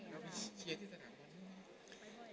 แล้วเค้าเชียร์ที่สถานการณ์บ้างไหม